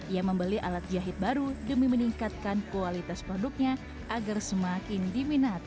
ia membeli alat jahit baru demi meningkatkan kualitas perutnya untuk proses keripik morgen ini menjadi kualitas kepentingan perumahan kabupaten